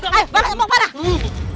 bapak yang sembunyi raja